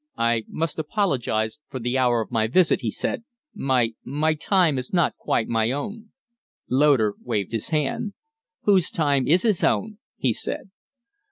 "I must apologize for the hour of my visit," he said. "My my time is not quite my own." Loder waved his hand. "Whose time is his own?" he said.